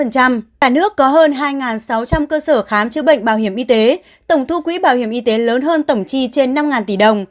cả nước có hơn hai sáu trăm linh cơ sở khám chữa bệnh bảo hiểm y tế tổng thu quỹ bảo hiểm y tế lớn hơn tổng chi trên năm tỷ đồng